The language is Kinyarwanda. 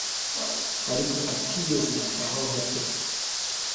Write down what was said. ariko atigeze ahohoterwa